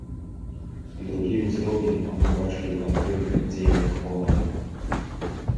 Другі ўзровень мы бачылі ў канкрэтных дзеяннях улады.